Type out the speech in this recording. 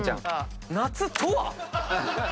「夏とは？」